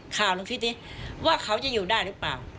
ลองคิดดิว่าเขาจะอยู่ได้หรือเปล่า